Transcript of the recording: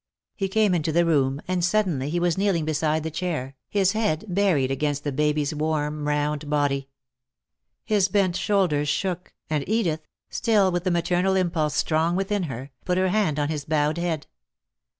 He came into the room, and suddenly he was kneeling beside the chair, his head buried against the baby's warm, round body. His bent shoulders shook, and Edith, still with the maternal impulse strong within her, put her hand on his bowed head.